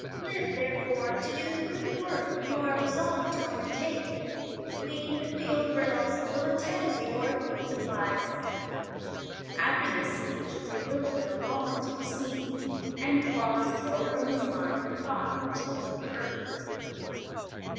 Live, therefore, to do the good work you are resolved to undertake. We, the Field Ryls, will attend to your food supplies." After this speech the Ryls were no longer to be seen, and Claus drove from his mind the thought of tilling the earth.